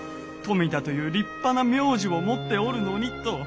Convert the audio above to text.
富田という立派な名字を持っておるのにと。